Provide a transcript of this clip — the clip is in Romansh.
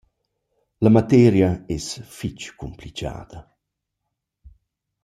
La materia es fich cumplichada.